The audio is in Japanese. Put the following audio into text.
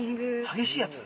激しいやつ？